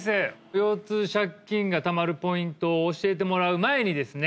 腰痛借金がたまるポイントを教えてもらう前にですね